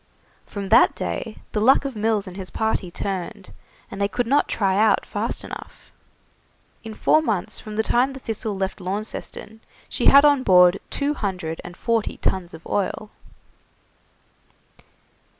From that day the luck of Mills and his party turned, and they could not try out fast enough. In four months from the time the 'Thistle' left Launceston she had on board two hundred and forty tuns of oil.